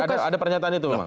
ada pernyataan itu memang